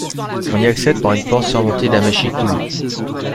On y accède par une porte surmontée d'un mâchicoulis.